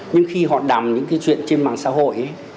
nhưng khi họ đàm những cái chuyện trên mạng xã hội ấy